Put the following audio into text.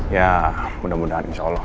ya mudah mudahan insya allah